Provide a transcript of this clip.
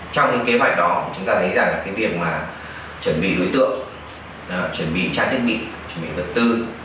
trong cái kế hoạch đó chúng ta thấy rằng cái việc mà chuẩn bị đối tượng chuẩn bị trang thiết bị chuẩn bị vật tư